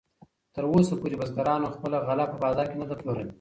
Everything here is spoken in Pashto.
تراوسه پورې بزګرانو خپله غله په بازار کې نه ده پلورلې.